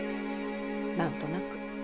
何となく。